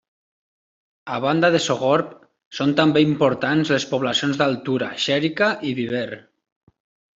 A banda de Sogorb són també importants les poblacions d'Altura, Xèrica i Viver.